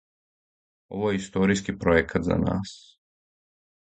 Ово је историјски пројекат за нас...